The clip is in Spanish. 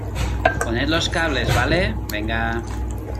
poned los cables, ¿ vale? venga.